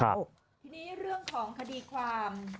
ทีนี้เรื่องของคดีความ